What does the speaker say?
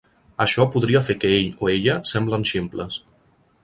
Això podria fer que ell o ella semblen ximples.